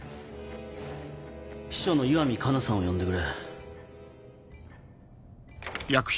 秘書の石見カナさんを呼んでくれ。